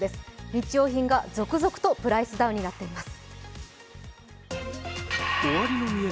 日用品が、続々とプライスダウンになっています。